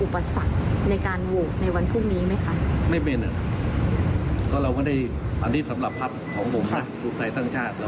เพราะว่าแบบนี้เหมือนว่าตีเช็คเปล่า